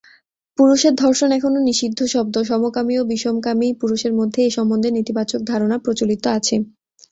পুরুষের ধর্ষণ এখনও নিষিদ্ধ শব্দ, সমকামী ও বিষমকামী পুরুষের মধ্যে এ সম্বন্ধে নেতিবাচক ধারণা প্রচলিত আছে।